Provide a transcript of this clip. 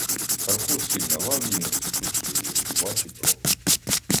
Карпо сів на лаві й насупив свої рудуваті брови.